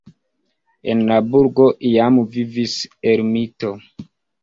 En la burgo iam vivis ermito.